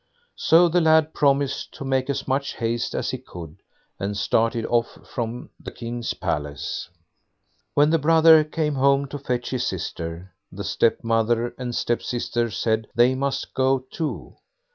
So the lad promised to make as much haste as he could, and started off from the King's palace. When the brother came home to fetch his sister, the step mother and stepsister said they must go too.